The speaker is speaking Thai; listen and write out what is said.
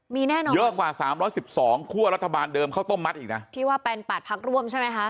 มีแน่นอนเยอะกว่า๓๑๒คั่วรัฐบาลเดิมเขาต้มมัดอีกนะที่ว่าเป็นปาดพักร่วมใช่ไหมคะ